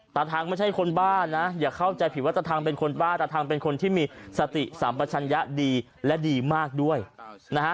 ทางไม่ใช่คนบ้านะอย่าเข้าใจผิดว่าตาทางเป็นคนบ้าตาทางเป็นคนที่มีสติสัมปชัญญะดีและดีมากด้วยนะฮะ